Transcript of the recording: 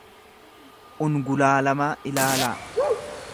ungulaalamaa ilaalaa.